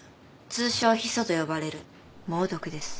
通称ヒ素と呼ばれる猛毒です。